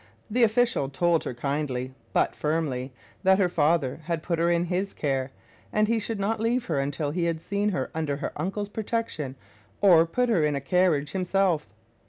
The official told her kindly, but firmly, that her father had put her in his care, and he should not leave her until he had seen her under her uncle's protection or put her in a carriage himself.